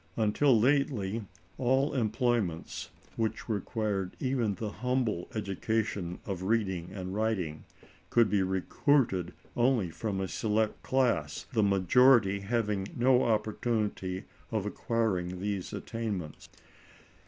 Until lately, all employments which required even the humble education of reading and writing could be recruited only from a select class, the majority having had no opportunity of acquiring those attainments.